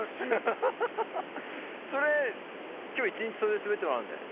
ハハハ！今日一日それで滑ってもらうんで。